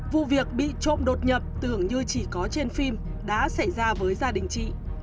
vụ việc bị trộm đột nhập tưởng như chỉ có trên phim đã xảy ra với gia đình chị